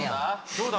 どうだ？